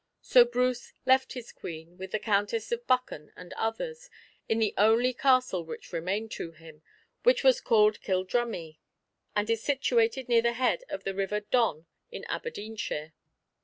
So Bruce left his Queen, with the Countess of Buchan and others, in the only castle which remained to him, which was called Kildrummie, and is situated near the head of the river Don in Aberdeenshire.